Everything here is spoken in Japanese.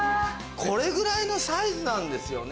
これぐらいのサイズなんですよね